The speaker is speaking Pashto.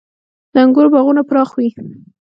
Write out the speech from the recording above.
• د انګورو باغونه پراخ وي.